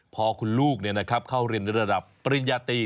พอคุณลูกเข้าเรียนระดับปริญญาตรี